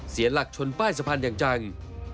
เสียหลักชนป้ายสะพานอย่างจัง